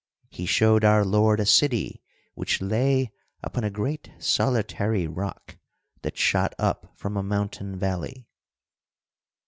He showed our Lord a city which lay upon a great solitary rock that shot up from a mountain valley.